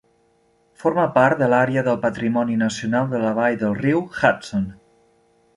Forma part de l'àrea del patrimoni nacional de la vall del riu Hudson.